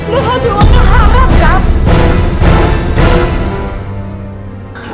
dan haju orang harap kamu